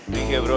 thanks ya bro